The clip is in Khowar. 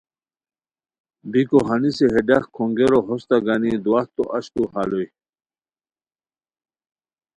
بیکو ہنیسے ہے ڈاق کھونگیرو ہوستہ گانی دواہتو اچتو ہال ہوئے